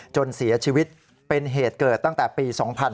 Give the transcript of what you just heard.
จนเสียชีวิตเป็นเหตุเกิดตั้งแต่ปี๒๕๕๙